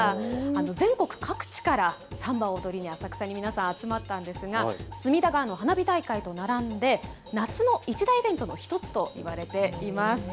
全国各地からサンバを踊りに皆さん浅草に集まったんですが隅田川の花火大会と並んで夏の一大イベントの１つといわれています。